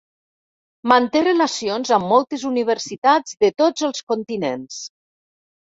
Manté relacions amb moltes universitats de tots els continents.